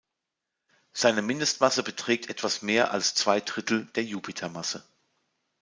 Seine Mindestmasse beträgt etwas mehr als zwei Drittel der Jupitermasse.